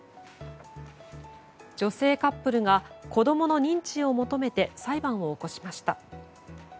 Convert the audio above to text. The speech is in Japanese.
女性カップルが子供の認知を求めて裁判を起こしました。